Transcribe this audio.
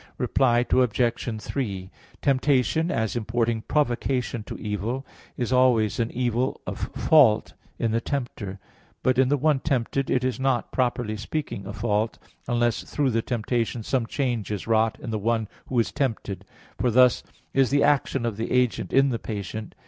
Reply Obj. 3: Temptation, as importing provocation to evil, is always an evil of fault in the tempter; but in the one tempted it is not, properly speaking, a fault; unless through the temptation some change is wrought in the one who is tempted; for thus is the action of the agent in the patient.